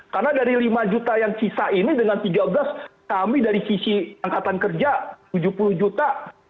karena dari lima juta yang sisa ini dengan tiga belas kami dari sisi angkatan kerja tujuh puluh juta